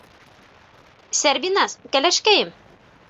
Сәрбиназ, кәләшкәйем!